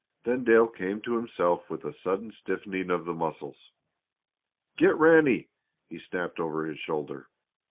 Then Dale came to himself with a sudden stiffening of the muscles. "Get Ranny!" he snapped over his shoulder.